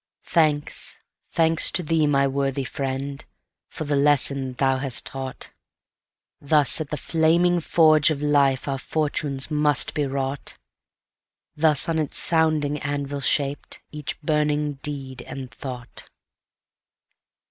Thanks, thanks to thee, my worthy friend, For the lesson thou hast taught! Thus at the flaming forge of life Our fortunes must be wrought; Thus on its sounding anvil shaped Each burning deed and thought.